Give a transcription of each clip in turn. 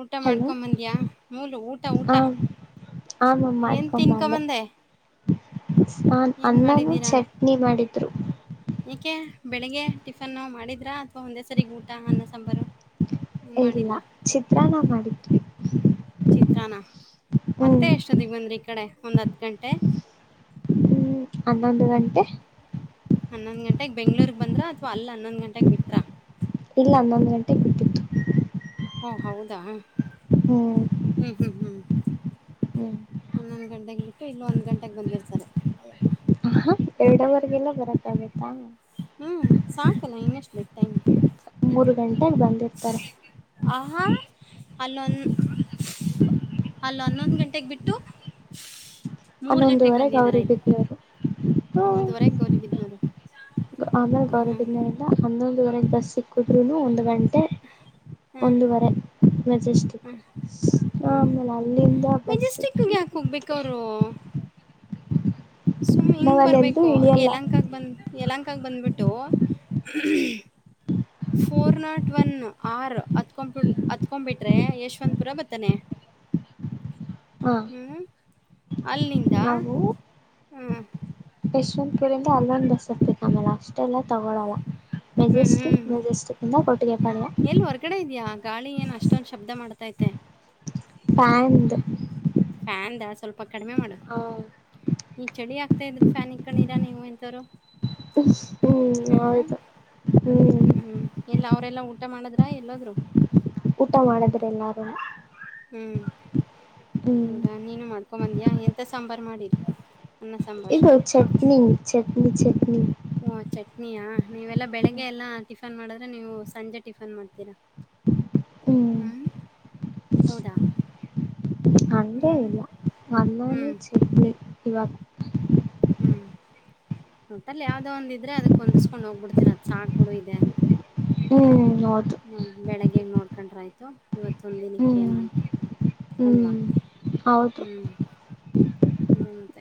ಊಟ ಹಲೋ ಮಾಡ್ಕೊಂಬಂದ್ಯಾ ಮೂಲು ಊಟ ಊಟ ಆಮ ಏನು ಮಾಡ್ಕೊ ಬಂದೆ ತಿನ್ಕೊಂಬಂದೆ ನ ಏನು ಅನ್ನಾನೂ ಚಟ್ನಿ ಮಾಡಿದ್ರು ಯಏಕೆ ಬೆಳಿಗ್ಗೆ ಟಿಫನ್ ಮಾಡಿದ್ರಾ ಅಥವಾ ಒಂದೇ ಸರಿ ಊಟ ಅನ್ನ ಸಾಂಬಾರ ಇಲ್ಲ ಚಿತ್ರ ನಾ ಮಾಡಿದ್ವಿ ಚಿತ್ರಾನ ಹ್ಮ್ ಮತ್ತೆ ಎಷ್ಟೊದಿಗೆ ಬಂದ್ರಿ ಈ ಕಡೆ ಒಂದ್ ಹತ್ ಗಂಟೆ ಹ್ಮ್ ಅನ್ನೊಂದು ಗಟೆ ಹನ್ನೊಂದ್ ಗಂಟೆಗೆಗ್ ಬೆಂಗ್ಳೂರ್ಗ್ ಬಂದ್ರ ಅಥವಾ ಅಲ್ಲ ಇಲ್ಲ ಒಂದೊಂದ್ ಗಂಟೆಗೆ ಬಿಟ್ಟಿು ಹಓ ಹೌದಾ ಹ್ಮ್ ಹ್ಮ್ ಹ್ಮ್ ಹ್ಮ್ ಹ್ಮ್ ಹನ್ನೊಂದ್ ಗಂಟೆಗೆ ಬಿಟ್ಟು ಇಲ್ಲೂ ಒಂದ್ ಗಂಟೆಗೆ ಬಂದಿರ್ತಾರೆ ಅಯ್ಯಪ್ಪ ಹ ಎರಡವರೆಗೆಲ್ಲ ಬರತ್ತ ಆಗತ್ತಾ ಹ್ಮ್ ಸಾಕಲ್ಲ ಇನ್ನಷ್ಟ್ ಬ ಟೈಮ್ ಮೂರು ಗಂಟೆಗೆ ಬಂದಿರ್ತಾರೆ ಆಹ ಅಲ ಅಲ್ಲ ಹನ್ನೊಂದ್ ಗಂಟೆಗೆ ಬಿಟ್ಟು ಮೂರು ಗಂಟೆಗೆ ಅನ್ನೊಂದುವರೆಗೆ ಬಂದಿದ್ದಾರಾ ಅವರಿ ಇಲ್ಲಿ ಬಿದ್ದರು ಹ್ಮ ಹನ್ನೊಂದುವರೆಗೆ ಗೌರಿಬಿದನೂರು ಆಮೇಲೆ ಹಾಂ ಹಾಂ ಗೌರದಿಂದನ ಇಲ್ಲ ಹನ್ನೊಂದು ಗಡೆ ಬಸ್ ಸಿಕ್ಕುದ್ರರುನು ಒಂದು್ ಗಂಟೆ ಹಾಂ ಒಂದುುವರೆ ಮೆಜೆಸ್ಟಿಕ್ ಹಾಂ ಆಮೇಲೆ ಅಲ್ಲಿಂದ ಬಸ್ ಮೆಜೆಸ್ಟಿಕ್ಗೆ ಸಿಕ್ಕೆ ಯಾಕೆ ಹೋಗ್ಬೇಕು ಅವರು ಸುಮ್ ಹಿಂಗ್ ಬರ್ಬೇಕು ಇಳಿಯಲ್ಲ ಯಲಂಕಾಗ ಬಂದ್ ಯಲಕ ಕ ಬಂದ್ಬಿಟ್ಟು ಫೋರ್ ನಾಟ್ ಒನ್ ಆರ್ ಅತ್ಕೊಬಿ ಹತ್ಕೊ್ಬಿಟ್ರೆ ಯಶವಂತಪುರ ಬರ್ತಾನೆ ಹ ಹ್ಮ್ ಅಲ್ಲಿಂದ ನಾವು ಹ್ಮ ಯಶವಂತಪುರಿಂದ ಅಲ್ಲೊಂದು ಬಸ್ ಹಕ್ಬೇಕ ಆಮೇಲೆ ಅಷ್ಟೆಲ್ಲ ತಗೊಳಲ್ಲ ಹ್ಞೂ ಹ್ಞೂ ಮೆಜೆಸ್ಟಿಕ್ ಮೆಜೆಸ್ಟಿಕ್ ಇಂದ ಕೊಟ್ಟಿಗೆಪಾಳ್ಯ ಎಲ್ಲಿ ಹೊರ್ಗಡೆ ಇದ್ಯಾಾ ಗಾಳಿ ಏನ್ ಅಷ್ಟೊಂದ ಶಬ್ದ ಮಾಡ್ತೈತೆ ಪ್ಯಾಂದು ಅಂದ ಸ್ವಲ್ಪ ಕಡಿಮೆ ಮಾಡು ಈ ಚಳಿ ಆಗ್ತಾ ಇದ್ರು ಫ್ಯಾನ್ ಇಕ್ಕೊಂಡರಾ ನೀವು್ ಎಂತಾರ ಹ್ಮ್ ಹೌದುಾ ಹ್ಮ್ ಅವ ಎಲ್ಲಾ ಊಟ ಮಾಡದ್ರ ಎಲ್ಲಾದ್ರು ಊಟ ಮಾಡಿದ್ರೆ ಎಲ್ಲಾರು ಹ್ಮ್ ಹ್ಮ್ ಹೌದಾ ನೀನು ಮಾಡ್ಕೊ ಬಂದ್ಯಾ ಎಂತ ಸಾಂಬಾರ್ು ಮಾಡಿರಿ ಅನ್ನ ಸಾಂಬಾರು ಇದು ಚಟ್ನಿ ಚಟ್ನಿ ಚಟ್ನಿ ಓ ಚಟ್ನಿಯಾ ನೀವೆಲ್ಲಾ ಬೆಳಿಗ್ಗೆ ಎಲ್ಲಾ ಟಿಫನ್ ಮಾಡಿದ್ರೆ ನೀವು ಸಂಜೆ ಟಿಫನ್ ಮಾಡ್ತೀರಾ ಹ ಹ್ಮ್ ಅದ ಅಂಡೇ ಇಲ್ಲ ವಂದಾನೇ ಹ್ಮ್ ಚೆಕ್ಕ ಇವಾಗ ಹ್ಮ್ ಊಟಲ್ಲಿ ಯಾವ್ದೋ ಒಂದಿದ್ರೆ ಅದಕ್ ಹೊಂದ್ಕೊಂಡ್ ಹೋಗ್ಬಿಡ್ತೀರ ಅದ್ ಸಾಾಗಕ್ಬಿಡು ಇದೆ ಅಂತ ಹ್ಮ್ ಹೌದು ಹ್ಮ ಬೆಳಿಗ್ಗೆಗೆ ನೋಡ್ಕೊಂಡ್ರ ಆಯ್ತು ಇವತ್ತು ಹ್ಮ್ ತಂದಿನಕ್ಕೇನು ಅಂತ ಅಲ್ವಾ ಹ್ಮ್ ಹೌದು ಹ್ಞ ಅದೇ ನತ್ತ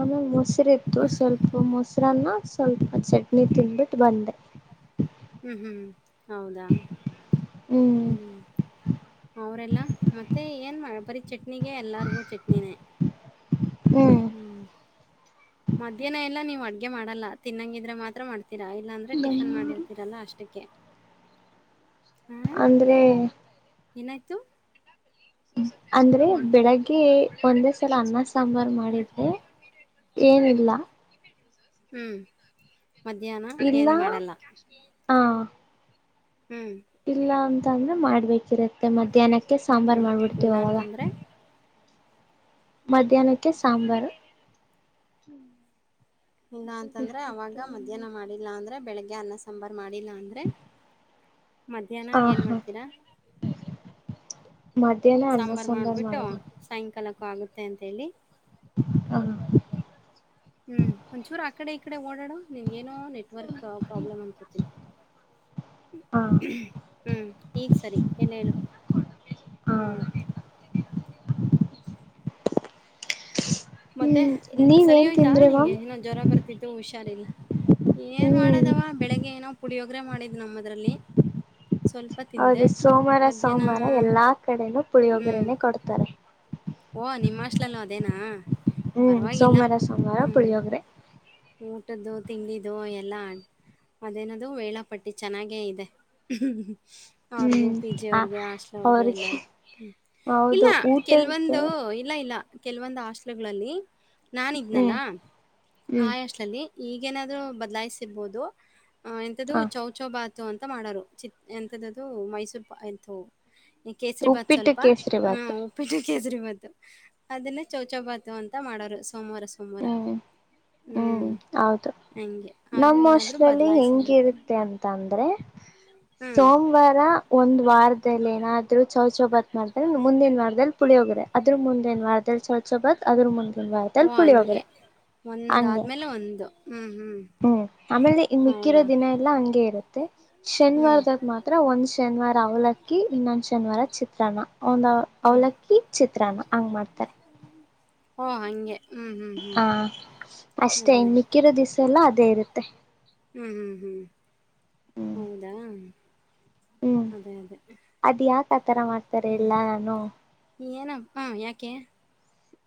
ಆಮೇ ಮೊಸರು ಇತ್ತು ಸ್ವಲ್ಪ ಮೊ ಹತ್ರ ಸ್ವಲ್ಪ ಚಟ್ನಿ ತಿನ್್ಬಿಟ್ಟು ಬಂದೆ ಹ್ಮ್ ಹ್ಮ್ ಹೌದಾ ಹ್ಮ್ ಅವರೆಲ್ಲ ಮತ್ತೆ ಏನ್ ಬರೀ ಚಟ್ನಿಗೆ ಎಲ್ಲರಿಗೂ ಚಟ್ನಿನೇ ಹ್ಮ್ ಮಧ್ಯಾಹ್ನ ಎಲ್ಲಾ ನೀ್ ಅಡ್ಗೆ ಮಾಡಲ್ಲ ತಿನ್ನಂಗಿದ್ರೆ ಮಾತ್ರ ಮಾಡ್ತೀರಾ ಇಲ್ಲಾಂದ್ರೆ ಟಿಫನ್ ಬೆಂಗಳೂರು ಮಾಡಿರ್ತೀರಲ್ಲ ಅಷ್ಟ ಅಷ್ಟಕ್ಕೆ ಆ? ಅಂದ್ರೆ ಏನಾಯ್ತು ಅಂದ್ರೆ ಹ್ಮ್. ಬೆಳಗ್ಗೆ ಒಂದೇ ಸಲ ಅನ್ನ ಸಾಂಬಾರ್ು ಮಾಡಿದ್ರೆ ಏನಿಲ್ಲ ಹ್ಮ್ ಮಧ್ಯಾಹ್ನ ಏನ್ ಇಲ್ಲಾ ಮಾಡಲ್ಲ. ಹ ಹ್ಮ್. ಇಲ್ಲ ಅಂತ ಅಂದ್ರೆ ಮಾಡ್ಬೇಕಿರುತ್ತೆ ಮಧ್ಯಾಹ್ನಕ್ಕೆ ಸಾಂಬಾರ್ ಹ್ಮ್. ಇಲ್ಲ ಮಾಡ್ಬಿಡ್ತೀವ ಅವಾಗ ಅಂತಂದ್ರೆ? ಮಧ್ಯಾಹ್ನಕ್ಕೆ ಸಾಂಬಾರು ಇಲ್ಲಾ ಅಂತಂದ್ರೆ ಅವಾಗ ಮಧ್ಯಾಹ್ನ ಮಾಡಿಲ್ಲಾ ಅಂದ್ರೆ ಬೆಳಿಗ್ಗೆ ಅನ್ನ ಸಾಂಬಾರ್ ಮಾಡಿಲ್ಲ ಅಂದ್ರೆ ಮಧ್ಯಾಹ್ನ ಹ ಏನ್ ಹಾ ಮಾಡ್ತೀರಾ ಮಧ್ಯಹ್ನ ಅನ್ನ ಸಾಂಬಾರ್ ಸುಂದರ ಮಾಡ್ಬಿಟ್ಟು ಮಾಡಾರಗ ಸಾಯಂಕಾಲಕ್ಕೂ ಆಗುತ್ತೆ ಅಂತ ಹೇಳಿ ಹಾ ಹೂ ಒಂಚೂರು ಆಕಡೆ ಈಕಡೆ ಓಡಾಡು ನಿನ್ ೇನೋ ನೆಟ್ವರ್ಕ್ ಪ್ರಾಬ್ಲಮ್ ಅನ್ಕತಿ ಹಾ ಹೂ ಈಗ್ ಸರಿ ಎಲ್ಲ ಹೇಳು ಹೂ ಇಲ್ಲ ಮತ್ತೆ ಹ್ಮ್ ಸರಿ ನೀವೇನ್ ಹೋಯ್ತಾ ತಿಂದ್ರಿ ಮ್ಯಾಮ್ ನಿಂಗೆ ಇನೊ ಜ್ವರ ಬರ್ತಿದ್ದು ಹುಷಾರಿಲ್ಲ ಏನ್ ಹ್ಮ್ ಮಾಡದವ ಬೆಳಿಗ್ಗೆ ಏನೋ ಪುಳಿಯೋಗ್ರೆ ಮಾಡಿದ್ ನಮ್ಮದ್ರಲ್ಲಿ ಸ್ವಲ್ಪ ತಿಂದೆ ಹೌದು ಸೋಮವಾರ ಮಧ್ಯಾಹ್ನ ಸೋಮವಾರ ಎಲ್ಲಾ ಕಡೆನೂ ಪುಳಿಯೊಬರನೇ ಕೊಡ್ತಾರೆ ಓಹ ನಿಮ್ಮ ಹಾಸ್ಟೆಲ್ನಲ್ಲಿ ಅದೇನಾ ಹೂ ಪರವಾಗಿಲ್ಲ ಸೋಮವಾರ ಸೋಮವಾರ ಹ್ಮ್. ಪುಳೋಗ್ರೆ ಊಟದ್ದು ತಿಂಡಿದು ಎಲ್ಲಾ ಆ ಅದೇನದು ವೇಳಾಪಟ್ಟಿ ಚೆನ್ನಾಗೇ ಇದೆ ಅವ್ರಿಗೂ ಹ್ಮ್ ಪಿ ಜಿ ಆ ಅವ್ರಗೆ ಆಸ್ಲ ಅವ್ರಗೆ ಅವ್ರಿಗೆ ಎಲ್ಲಾರ್ಗು ಹೌದು ಇಲ್ಲ ಊಟದ್ದು ಕೆಲ್ವೊಂದು ಇಲ್ಲ ಇಲ್ಲ ಕೆಲವೊಂದು ಹಾಸ್ಟೆಲ್ನಲ್ಲಿ ನಾನುದ್ನಲ್ಲ ಹ್ಮ್ ಆ ಹ್ಮ್ ಹಾಸ್ಲಲ್ಲಿ ಈಗೇನಾದ್ರು ಬದ್ಲಾಯಿಸಿರ್ಬಹುದು ಎಂತದ್ದು ಹ ಚೌಚೌಬಾತ್ ಅಂತ ಮಾಡರು ಚಿತ್ ಎಂತದದು ಮೈಸೂರು ಎಂತ ಈ ಕೇಸರಿ ಭಾತ್ ಉಪ್ಪಿಟ್ಟು ಸ್ವಲ್ಪ ಕೇಸರಿ ಹ ಬಾತು ಉಪ್ಪಿಟ್ಟ ಕೇಜ್ರಿಬಾತು ಅದನ್ನ ಚೌಚಭಾತು ಅಂತ ಮಾಡೋರು ಸೋಮವಾರ ಸೋಮವಾರ ಹೂ ಹ್ಮ್ ಹೌದು ಹಂಗೆ ಅದು ನಮ್ಮ ಹೋಸ್ಟ್ ಏನಾದ್ರು ಲಲ್ಲಿ ಬದಲಾಯಿಸಿದ್ದು ಹೆಂಗಿರುತ್ತೆ ಅಂತ ಅಂದ್ರೆ ಹ್ಮ್ ಸೋಮವಾರ ಒಂದು ವಾರದ ಏನಾದ್ರು ಚೌಚೋ ಭಾತ್ ಮಾಡತ್ರ ಮುಂದಿನ ವಾರದಲ್ಲಿ ಪುಳಿಯ ಹೋಗ್ರೆ ಅ್ರರು ಮುಂದಿನ ವಾರದಲ್ಲಿ ಚೌಚ ಭಾತ್ ಅದ್ರ ಮುಂದ ವಾರದಲ್ಲಿ ಪುಳಿಯೋಗ್ರೇ ಒಂದ್ ಆದ್ಮೇಲೆ ಒಂದು ಹೂ ಹೂ ಹೂ ಆಮೇಲೆ ಮಿಕ್ಕಿರೋ ದಿನ ಎಲ್ಲಾ ಹಂಗೆ ಇರುತ್ತೆ ಹ್ಮ್ ಶನಿವಾರದಾಗ ಮಾತ್ರ ಒಂದ್ ಶನಿವಾರ ರಾವಲಕ್ಕ ಇನ್ನಂಷನ್ ವಾರ ಚಿತ್ರಾನ್ನ ಒಂದು ಹ್ಮ್ ಅವಲಕ್ಕಿ ಚಿತ್ರಾನ್ನ ಹಂಗ್ ಮಾಡ್ತಾರೆ ಓ ಹಂಗೆ ಹ್ಮ್ ಹ್ಮ್ ಹ್ಮ್ ಹಾ ಅಷ್ಟೇ ಅದೇ ಅದೇ ಇಮ್ಮಿಕ್ಕಿರೋ ದಿವ್ಸ ಎಲ್ಲ ಅದೇ ಇರುತ್ತೆ ಹೂ ಹೂ ಹೂ ಹ್ಮ್ ಹೌದಾ ಅದೇ ಅದೇ ಆ ತರ ಮಾಡ್ತಾರೆ ಹೇಳ್ ನಾನು ನೀ ಏನ ಹಾ ಯಾಕೆ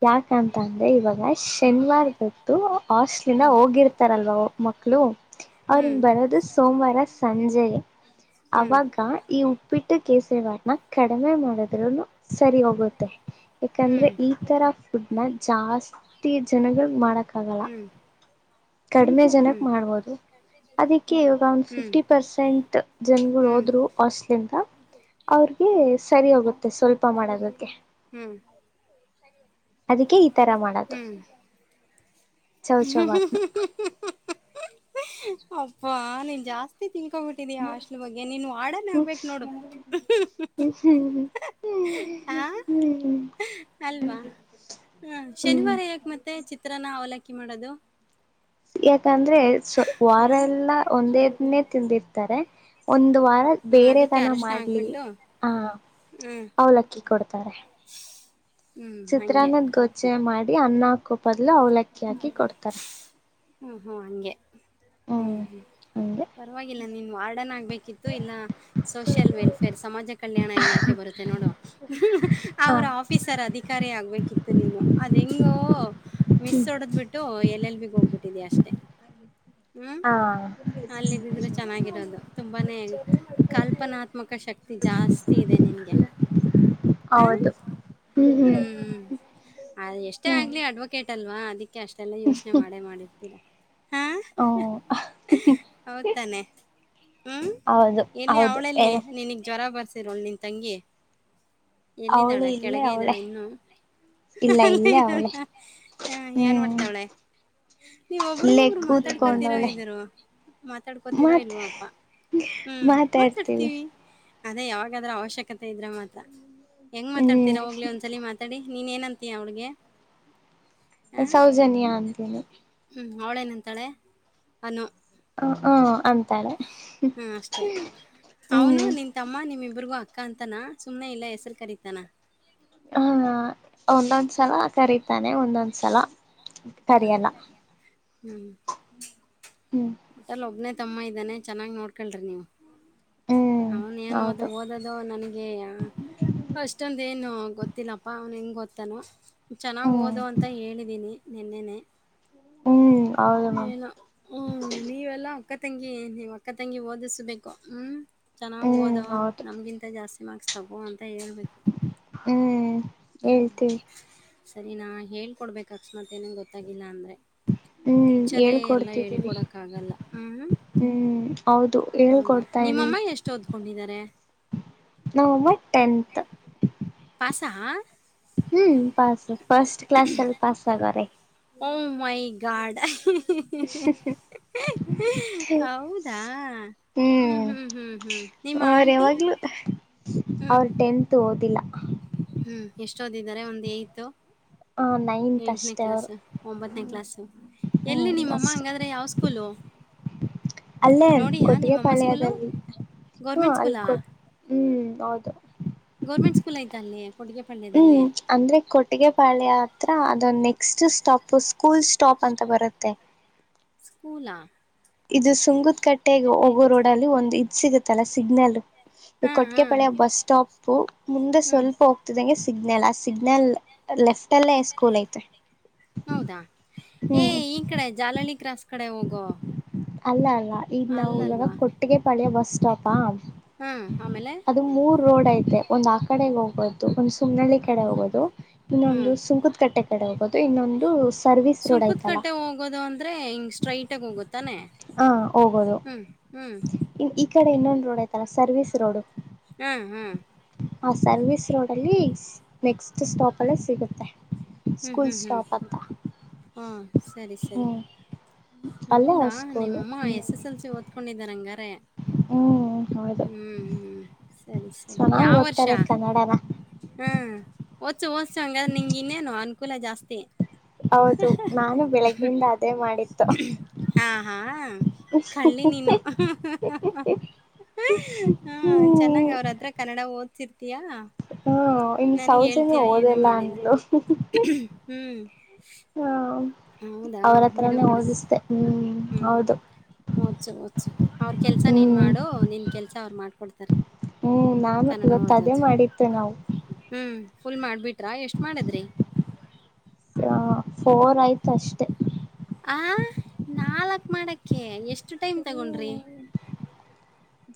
ಯಾಕಂತ ಅಂದ್ರೆ ಇವಾಗ ಶನಿವಾರದ್ದು ಹಾಸ್ಟ್ಲಿಂದ ಹೋಗಿರ್ತಾರಲ್ವ ಮಕ್ಕಳು ಅವ್ರಂದ ಹ್ಮ್ ಬರ್ ಸೋಮವಾರ ಸಂಜೆ ಹ್ಮ್ ಅವಾಗ ಈ ಉಪ್ಪಿಟ್ಟು ಕೇಸ ೇ ಕಡಿಮೆ ಮಾಡುದ್ರುನು ಸರಿ ಹೋಗುತ್ತೆ ಯಾಕಂದ್ರೆ ಹ್ಮ್ ಈ ಈ ತರ ಫುಡ್ ನ ಜಾಸ್ತಿ ಜನಗಳ ಮಾಡಕ ಆಾಗಲ್ಲ ಹ್ಮ್ ಹ್ಮ್ ಕಡಿಮೆ ಜನಕ್ ಹ್ಮ್ ಮಾಡ್ಬೋದು ಅದಕ್ಕೆ ಇವಾಗ ಒಂದ್ ಹ್ಮ್ ಫಿಫ್ಟಿ ಪರ್ಸೆಂಟ್ ಜನ್ಗಳು ಹ್ಮ್ ಹೋದ್ರು ಹಾಸ್ಟ್ಲಿಂದ ಅವ್ರಿಗೆ ಸರಿ ಹೋಗುತ್ತೆ ಸ್ವಲ್ಪ ಮಾಡೋದಕ್ಕೆ ಹ ಚ ಅದಕ್ಕೆ ಈ ತರ ಮಾಡೋದು ಚೌಚೌಬಾತ್ಮ ಹಬ್ಬಾ ನೀನ್ ಜಾಸ್ತಿ ತಿನ್ಕೋ್ಬಿಟ್ಟಿದ್ಯಾ ಹಾಸ್ಟ್ಲ್ ಬಗ್ಗೆ ನೀನು ಆರ್ಡರ್ನ್ ಆಗ್ಬೇಕು ನೋಡು ಹ್ಮ್ ಹ್ಮ್ ಹ ಹ್ಮ್ ಹ್ಮ್ ಅಲ್ವಾ ಹಾ ಹ್ಮ್ ಶನಿವಾರ ಯಾಕ ಮತ್ತೆ ಚಿತ್ರಾನ ಅವಲಕ್ಕಿ ಮಾಡದು ಯಾಕಂದ್ರೆ ವಾರ ಎಲ್ಲಾ ಒಂದೇದನೇ ತಿಂದಿರ್ತಾರೆ ಒಂದ ಒಂದು ವಾರ ಹ್ಮ್ ಬೇರೆ ಅದಕ್ಕೆ ತನ ಅರಶಿನ ಮಾಡ್ಲಿ ಹಾಕ್ಬಿಟ್ಟು ಹ ಹ್ಮ್ ಅವಲಕ್ಕಿ ಕೊಡ್ತಾರೆ ಹ್ಮ್ ಹಂಗೆ ಚಿತ್ರಾನಂದ್ ಗೊಜ್ಜೆಯೇ ಮಾಡಿ ಅನ್ನಕೂ ಬದ್ಲು ಅವಲಕ್ಕಿ ಹಾಕಿ ಕೊಡ್ತಾರೆ ಹ್ಮ್ ಹ್ಮ್ ಹಗೆ ಹ್ಮ್ ಹ್ಮ್ ಹಂಗೆ ಪರವಾಗಿಲ್ಲ ನೀನ್ ವಾರ್ಡನ್ ಆಗ್ಬೇಕಿತ್ತು ಇಲ್ಲ ಸೋಷಿಯಲ್ ವೆಲ್ಫೇರ್ ಸಮಾಜ ಕಲ್ಯಾಣ ಇಲಾಖೆ ಬರು ನೋಡು ಹಾ ಅವ್ರ ಆಫೀಸರ್ ಅಧಿಕಾರಿ ಆಗ್ಬೇಕಿತ್ತು ನೀನು ಅದ ಹೆಂಗೋ ಮಿಸ್ ಡದ್ ಬಿಟ್ಟು ಎಲ್ ಎಲ್ ಬಿಗ್ ಹೋಗ್ಬಿಟ್ಟಿದ್ಯಾ ಅಷ್ಟೆ ಹಾ ಅಲ್ಲ ಇದಿದ್ರು ಚೆನ್ನಾಗಿರೋದು ತುಂಬಾನೇ ಕಲ್ಪನಾತ್ಮಕ ಶಕ್ತಿ ಜಾಸ್ತಿ ಇದೆ ಬೆ ನನಗೆ ಹ ಹ ಹ್ಮ್ ಅ ಎಷ್ಟೇ ಹ್ಮ್ ಆಗ್ಲಿ ಅಡ್ವೊಕೇಟ್ ಇಟ್ಟಲ್ವಾ ಅದಕ್ಕೆ ಅಷ್ಟೆಲ್ಲ ಯೋಚನೆ ಮಾಡೇ ಮಾಡಿರ್ತೀರಾ ಓ ಹೌತಾನೆ ಹ್ಮ್ ಹೌದು ಎಲ್ಲಿ ಹೌದು ಅವಳಲ್ಲಿ ನಿಿನಗ್ ಜ್ವರ ಬರ್ಸ ರ ನಿನ್ ತಂಗಿ ಅವಳು ಎಲ್ಲಿದ್ದಾಳ ಇಲ್ಲೇ ಕೆಳಗೆ ಅವಳೆ ಇದ್ದಾಳ ಇನ್ನು ಇಲ್ಲ ಇಲ್ಲೇ ಅವಳೆ ಹ ಏನ್ ಹ್ಮ್ ಮಾಡ್ತಾವಳೆ ನೀವ ಇಲ್ಲೇ ಒಬ್ರಗೊಬ್ರು ಮಾತಾಡ್ಕೋತೀರೋ ಕೂತ್ಕೊಂಡವಳೆ ಇದರು ಮಾತಾಡ್ಕೋತೀರೋ ಮಾತ್ ಇಲ್ವಪಾ ಹ್ಮ್ ಮಾತಾಡ್ತೀವಿ ಅದೇ ಯಾವಾಗಾದ್ರ ಅವಶ್ಯಕತೆ ಇದ್ರ ಮಾತ್ರ ಹೆಂಗ ಮಾತಾಡ್ತೀರ ಹ್ಮ್ ಹೋಗ್ಲಿ ಒಂದ್ಸಲ ಮಾತಾಡಿ ನೀನ್ೇನಂತೀಯ ಅವಳಿಗೆ ಸೌಜನ್ಯ ಅಂತೇನಿ ಹ್ಞೂ ಅವಳೇನಂತಾಳೆ ಅನು ಹ ಹ್ಮ ಅಂತಾಳೆ ಹ್ಮ ಅಷ್ಟೇ ಅವನು ಹ್ಮ್ ನಿನ್ ತಮ್ಮ ನಿಮ ಇಬ್ಬರಿಗೂ ಅಕ್ಕ ಅಂತಾನ ಸುಮ್ಮನೆ ಇಲ್ಲ ಹೆಸ್ರು ಕರೀತಾನ ಹಾ ಒಂದೊಂದ್ಸಲ ಕರೀತಾನೆ ಒಂದೊಂದ್ಸಲ ಹ್ಮ್ ಕರಿಯಲ್ಲ ಹ್ಮ್ ಹ್ಮ್ ಮಟೆಲ್ ಒಬ್ನೇ ತಮ್ಮ ಇದ್ದಾನೆ ಚೆನ್ನಾಗ್ ನೋಡ್ಕಳ್ರಿ ನೀವು ಹ್ಮ್ ಅವನ್ ಏನು ಅದು ಹೌದು ಓದದು ನನ್ಗೆ ಅಷ್ಟೊಂದ ಏನು ಹ ಗೊತ್ತಿಲ್ಲಪ್ಪಾ ಅವ್ನು ಹೆಂಗ್ ಗೊತ್ತಾನ ಚೆನ್ನಾಗ್ ಹ್ಮ್ ಓದು ಅಂತ ಹೇಳಿದೀನಿ ನಿೆನ್ನೆನೆ ಹ್ಮ್ ಹೌದು ನಾಮ ಹ್ಞೂ ನೀವೆಲ್ಲ ಅಕ್ಕ ತಂಗಿ ನೀ್ ಅಕ್ಕ ತಂಗಿ ಓದಿಸ್ಬೇಕು ಹ್ಮ್ ಚೆನ್ನಾಗ್ ಓದ ಹ್ಮ್ ಹೌದು ನಮ್ಗಿಂತ ಜಾಸ್ತಿ ಚಮಕ್ಸ್ ತಗೋ ಅಂತ ಹೇಳೇಬೇಕು ಹ್ಮ್ ಹ್ಞ ಹೇಳ್ತೀವಿ ಸರಿ ನಾ ಹೇಳ್ಕೊಡ್ಬೇಕ ಅಕ್ಷಸ್ಮತ್ ಏನನ್ ಗೊತ್ತಾಗಿಲ್ಲ ಅಂದ್ರೆ ಹ್ಮ್ ಹೇಳ್ಕೊಡ್ತಿದ್ದೀವಿ ಲ್ಲ ಹ್ಮ್ ಹ್ಮ್ ಹೌದು ಹೌದಾ ಹೇಳ್ಕೊಡ್ತಾ ನಿಮ್ಮಮ್ಮ ಎಷ್ಟ ಓದ್ಕೊಂಡಿದ್ದಾರೆ ನವಂಬರ್ ಟೆಂತ್ ಪಸ ಹಾ ಹ್ಮ್ ಪಸ್ ಫಸ್ಟ್ ಕ್ಲಸ್ ಎಲ್ಲಿ ಪಸ್ಗ ರ ಓಂ್ ಮೈ ಗಾರ್ಡ್ ಐ ಅ ಹೌದಾ ಹ್ಮ್ ಹ್ಮ್ ಹ್ಮ್ ಹ್ಮ್ ನಿಮ್ಮ ಅವ್ರ ಆಂಟಿ ಯಾವಾಗ್ಲೂ ಅವ್ರ ಹ್ಮ್ ಟೆಂತ್ ಓದಿಲ್ಲ ಹ್ಮ್ ಎಷ್ಟೊದ ಇದಿದ್ದಾರೆ ಒಂದ್ ಐತ ಹ ಎಂಟನೇ ಕ್ಲಾಸ್ ಒಂಬತ್ತನೇ ಕ್ಲಾಸ್ ಹ್ಮ್ ಎಲ್ಲಿ ನಿಮ್ಮಮ್ಮ ಹಂಗಾದ್ರೆ ಯಾವ ಸ್ಕೂಲು ಅಲ್ಲೇನ್ ನೋಡಿಯಾ ಕೊಟ್ಟಿಗೆ ನಿಮ್ಮಮ್ಮ ಸ್ಕೂಲು ಪಾಳ್ಯದಲ್ಲಿ ಹ್ಮ ಗೌರ್ಮೆಂಟ್ ಅಲ್ಲಿ ಸ್ಕೂಲಾ ಕೊಟ್ಟ ಹ್ಮ್ ಹೌದು ಗೌರ್ಮೆಂಟ್ ಸ್ಕೂಲ್ ಐ್ ಅಲ್ಲಿ ಕೊಟ್ಟಿಗೆ ಹ್ಮ್ ಪಾಳ್ಯದಲ್ಲಿ ಅಂದ್ರೆ ಕೊಟ್ಟಿಗೆಪಾಳ್ಯ ಹತ್ರ ಅದೊ್ ನೆಕ್ಸ್ಟ್ ಸ್ಟಾಪ್ ಕೂಲ್ ಸ್ಟಾಪ್ ಅಂತ ಬರುತ್ತೆ ಕೂಲ್ ಹಾ ಇದು ಸುಂಕದ್ ಕಟ್ಟೆ ಹೋಗೋ ರೋಡ್ ಅಲ್ಲಿ ಒಂದು್ ಇದ್ ಸಿಗುತ್ತಲ್ಲಾ ಸಿಗ್ನಲ್ ಹಾಂ ಹಾಂ ಕೊಟ್ಟಗೆಪಾಳ್ಯ ಬಸ್ ಸ್ಟಾಪ್ ಮುಂದೆ ಹ್ಞೂ ಸ್ವಲ್ಪ ಹೋಗ್ತಿದಂಗೆ ಸಿಗ್ನಲ್ ಆ ಸಿಗ್ನಲ್ ಲೆಫ್ಟ್ ಅಲ್ಲೇ ಸ್ಕೂಲ್ ಐತೆ ಹೌದಾ ಏ ಹ್ಮ್ ಈ ಕಡೆ ಜಾಲಳಿ ಕ್ರಾಸ್ ಕಡೆ ಹೋಗೋ ಅಲ್ಲ ಅಲ್ಲ ಈಗ ನಾವು ಇವಾಗ ಅಲ್ಲಲ್ವಾ? ಕೊಟ್ಟಿಗೆಪಾಳ್ಯ ಬಸ್ ಸ್ಟಾಪ ಹ್ಮ್ ಆಮೇಲೆ ರೋಡ್ ಐತೆ ಒಂದ್ ಆ ಕಡೆಗೆ ಹೋಗೋದು ಒಂದು ಸುಮ್ನಳ್ಳಿ ಕಡೆ ಹೋಗೋದು ಇನ್ನೊಂದು ಹ್ಮ್. ಸುಂಕದ್ ಕಟ್ಟೆ ಕಡೆ ಹೋಗಬಹುದು ಇನ್ನೊಂದು ಸರ್ವಿಸ್ ರೋಡ್ ಸುಂಕುದ್ ಐತಲ್ಲ ಕಟ್ಟೆ ಹೋಗೋದು ಅಂದ್ರೆ ಹಿಂಗ್ ಸ್ಟ್ರೈಟ್ ಆಗ ಹೋಗುತ್ತೆ ಹ ಹೋಗೋದು ಹ್ಮ್. ಈ ಕಡೆ ಇನ್ನೊಂದು ರೋಡ್ ಐ್ತಲ್ಲ ಸರ್ವಿಸ್ ರೋಡ್ ಹ್ಮ್ ಹ್ಮ್ ಆ ಸರ್ವಿಸ್ ರೋಡ್ ಅಲ್ಲಿ ನೆಕ್ಸ್ಟ್ ಸ್ಟಾಪ್ ಅಲ್ಲೆ ಸಿಗುತ್ತೆ ಹ್ಮ್ ಸ್ಕೂಲ್ ಹ್ಮ್ ಹ್ಮ್ ಸ್ಟಾಪ್ ಅಂತ ಹಾ ಸರಿ ಸರಿ ಹ್ಮ್ ಅಲ್ಲೇ ಹೌದಾ ಅವ್ರ ಸ್ಕೂಲು ನಿಮ್ಮಮ್ಮ ಎಸ್ ಎಸ್ ಎಲ್ ಸಿ ಓದ್ಕೊಂಡಿದಿದ್ದಾರೆ ಹಂಗಾರೆ ಹ್ಮ್ ಹೌದು ಹ್ಮ್ ಹ್ಮ್ ಸರಿ ಸರಿ ಚೆನ್ನಾಗ್ ಯಾವ ವರ್ಷ ಓದ್ತಾರೆ ಕನ್ನಡನ ಹ್ಮ್ ಓದಸು ಓದ್ಸು ಹಾಗಂಗಾದ್ರೆ ನಿಂಗೆ ಇನ್ನೇನು ಅನುಕೂಲ ಜಾಸ್ತಿ ಹೌದು ನಾನು ಬೆಳಿಗ್ಗೆ ಇಂದ ಅದೇ ಮಾಡಿದ್ದು ಹಾ ಹಾ ಕಳ್ಳಿ ನೀನು [unintelligible] ಹ ಹ ಚೆನ್ನಾಗ ಹ್ಮ್ ಅವ್ರತ್ರ್ರ ಕನ್ನಡ ಓದ್ಸಿರ್ತಯಾ ಹ್ಮ ಇನ್ನು ಸೌಜನ್ಯ ಓದೆಲ್ಲ ಮಾಡಿಲ್ಲ. ಅಂದ್ಲು ಹ್ಮ್ ಹ ಹೌದಾ ಬಿಡು ಅವರತ್ರಾನೇ ಬಿಡು ಓದುಸ್ತೇ ಹ್ಮ್ ಓದ್ಸು ಓದ್ಸು ಅವ್ರ ಕೆಲ್ಸ ನೀನ್ ಹ್ಮ್ ಮಾಡು ನಿನ್ ಕೆಲ್ಸ [unintelligible] ಅವ್ರು ಮಾಡ್ಕೊಡ್ತಾರೆ ಹ್ಮ್ ನಾನು ಕನ್ನಡ ಇವತ್ ಅದೇ ಓದೋದು ಮಾಡಿದ್ದೆ ನಾವು ಹ್ಮ್ ಫುಲ್ ಮಾಡ್ಬಿಟ್ರಾ ಎಷ್ಟ್ ಮಾಡದ್ರಿ ಆ ಫೋರ್ ಆಯ್ತು ಅಷ್ಟೆ ಹ ನಾಲ್ಕ್ ಮಾಡಕ್ಕೆ ಎಷ್ಟು ಟೈಮ್ ತಗೊಂಡ್ರಿ ಹ್ಮ್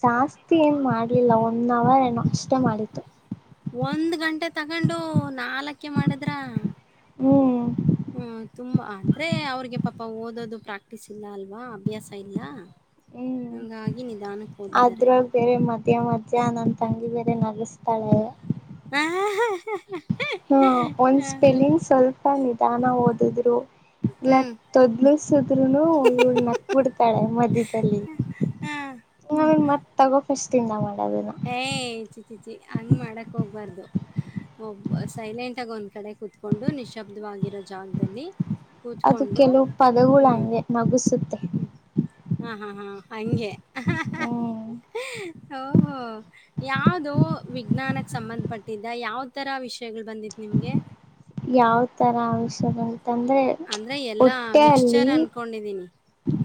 ಜಾಸ್ತಿ ಏನ್ ಮಾಡ್ಲಿಲ್ಲ ಒಂದ್ ಅವರ್ ಏನೋ ಅಷ್ಟೆ ಮಾಡಿದ್ದು ಒಂದ್ ಗಂಟೆ ತಗೊಂಡು ನಾಲ್ಕ ಮಾಡಿದ್ರ ಹ್ಮ್ ಹ್ಮ ತುಂಬಾ ಅಂದ್ರೆ ಅವ್ರಿಗೆ ಪಾಪಾ ಓದೋದು ಪ್ರಾಕ್ಟೀಸ್ ಇಲ್ಲ ಅಲ್ವಾ ಅಭ್ಯಾಸ ಇಲ್ಲ ಹಂಗಾಗಿ ಇದ್ ಅದ್ರಲ್ ಬೇರೆ ಮದ್ಯ ಮಧ್ಯ್ಯಾ ನನ್ನ ತಂಗಿ ಬೇರೆ ನಗಸ್ತಾಳೆ ಹ್ಮ್ ಹ [unintelligible] ಹಾ ಒಂದ್ ಸ್ಪೆಲಿಂಗ್ ಸ್ವಲ್ಪ ನಿಧಾನ ಓದಿದ್ರು ಇಲ್ಲ ಹ್ಮ್. ತೊದ್ಲುಸುದ್ರುನು ಇವ್ಳ್ ನಕ್ ಬಿಡ್ತಾಳೆ ಮಧ್ಯದಲ್ಲಿ ಹಾಂ. ನ್ ಮತ್ ತಗೋ ಫಸ್ಟ್ ಇಂದ ಮಾಡ ಏ ಚಿ ಚಿಚಿ ಹಂಗ್ ಮಾಡಕ್ ಹೋಗ್ಬಾರ್ದು ಒಬ್ಬ ಸೈಲೆಂಟ್ ಆಗಿ ಒಂದ್ ಕಡೆ ಕುೂತ್ಕೊಂಡು ನಿಶಬ್ದವಾಗಿರೋ ಜಾಗದಲ್ಲಿ ಅದು ಕೂತ್ಕೊಂಡು ಕೆಲವು ಪದಗಳ್ ಹ್ಮ್. ಅಂಗೇ ನಗಿಸುತ್ತೆ ಹಾಗಂೆ ಹ್ಮ್ ಹ ಯಾವ್ದೋ ವಿಜ್ಞಾನಕ್ಕೆ ಸಂಬಂಧಪಟ್ಟಿದ್ದ ಯಾವ ತರ ವಿಷಯಗಳು ಬಂದಿತ್ತು ನಿಮಗೆ ಯಾವ ತರ ಅಂಶಗಳು ಅಂದ್ರೆ ಎಲ್ಲಾ ಮಿಕ್ಸ್ಚರ್ ಅನ್ಕೊಂಡಿದೀನಿ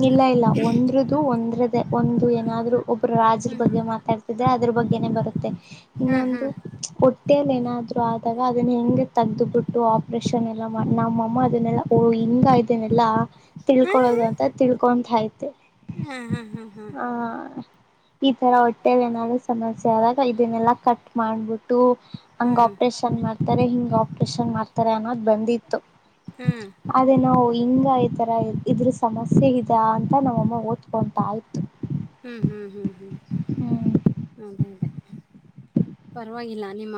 ಇಲ್ಲ ಇಲ್ಲ ಒಂದ್ರದು ಒಂದ್ರದ್ದೇ ಒಂದು ಏನಾದ್ರು ಒಬ್ರು ರಾಜ್ರ ಹ್ಮ್ ಬಗ್ಗೆ ಮಾತಾಡ್ ಅದ್ರ ಬಗ್ಗೆ ಬರುತ್ತೆ ಹ್ಮ್ ಹ್ಮ್ ಇನ್ನೊಂದುಟ್ಟ ಮಟ್ಟೆಯಲ್ಲಿ ಏನಾದ್ರು ಆದಾಗ ಅದನ್ನ ಹೆಂಗೆ ತೆಗೆಗ್ದ್ ಬಿಿಟ್ಟು ಆಪ್ರೇಷನ್ ಎಲ್ಲ ಮಾಡಿ ನಮ್ಮಮ್ಮ ಅದನ್ನೆಲ್ಲ ಹಂಗ ಇದ್ದೇನೆ ಎಲ್ಲಾ ಹಾ ತಿಳ್ಕೊಳೋದು ಅಂತ ತಿಳ್ಕೊ ಆಯ್ತೆ ಹಾ ಹಾ ಹಾ ಆ ಈ ತರ ಹೊಟ್ಟೆದ ಏನಾದ್ರು ಸಮಸ್ಯೆ ಆದಾಗ ಇದನ್ನೆಲ್ಲಾ ಕಟ್ ಮಾಡ್ಬಿಟ್ಟು ಹ್ಮ್ ಹಂಗ ಹ್ಮ್ ಆಪ್ರೇಷನ್ ಮಾಡ್ತಾರೆ ಹಿಂಗ ಆಪ್ರೇಷನ್ ಮಾಡ್ತಾರೆ ಅನ್ನೋದ ಬಂದಿತ್ತು ಹ್ಮ್ ಅದೇ ನಾವು ಹಿಂಗ ಈತರ ಇದ್ರ ಸಮಸ್ಯೆ ಇದೆಯಾ ಅಂತ ನಮ್ಮಮ್ಮ ಓದ್ಕೊತಾ ಇತ್ತು ಹ್ಮ್ ಹ್ಮ್ ಹ್ಮ್ ಹ್ಮ್ ಹ್ಮ್ ಅದೇ ಅದೇ ಪರವಾಗಿಲ್ಲ ನಿಮ್ಮ